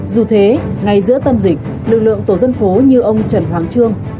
dù thế ngay giữa tâm dịch lực lượng tổ dân phố như ông trần hoàng trương